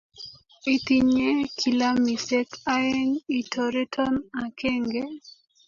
Itinye kilamisyek aeng' itoreton akenge?